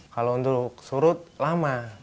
kalau untuk surut lama